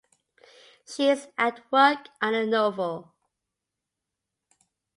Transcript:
She is at work on a novel.